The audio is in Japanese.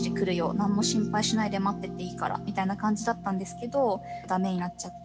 何も心配しないで待ってていいから」みたいな感じだったんですけど駄目になっちゃって。